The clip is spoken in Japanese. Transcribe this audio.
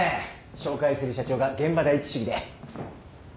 紹介する社長が現場第一主義で。